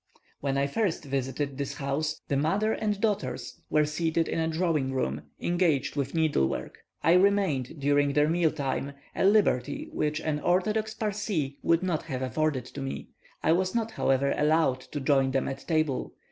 When I first visited this house, the mother and daughters were seated in a drawing room, engaged with needlework. I remained during their meal time, a liberty which an orthodox Parsee would not have afforded to me; I was not, however, allowed to join them at table.